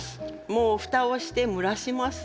もう蓋をして蒸らします。